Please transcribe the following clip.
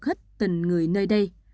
hết tình người nơi đây